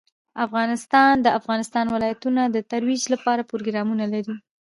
افغانستان د د افغانستان ولايتونه د ترویج لپاره پروګرامونه لري.